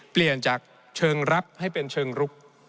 เปลี่ยนจากเชิงรับให้เป็นเชิงรุก